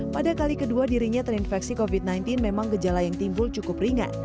pada kali kedua dirinya terinfeksi covid sembilan belas memang gejala yang timbul cukup ringan